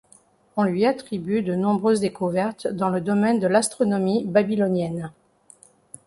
On lui attribue de nombreuses découvertes dans le domaine de l'astronomie babylonienne.